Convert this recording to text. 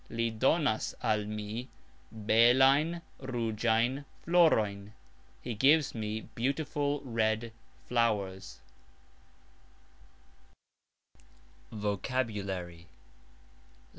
"Li donas al mi belajn rugxajn florojn", He gives me beautiful red flowers. VOCABULARY.